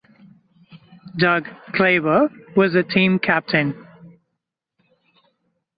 Doug Kleiber was the team captain.